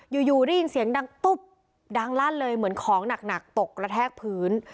อยู่ได้ยินเสียงดังตุ๊บดังลั่นเลยเหมือนของหนักตกกระแทกพื้น